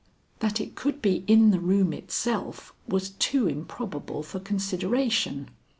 That it could be in the room itself was too improbable for consideration.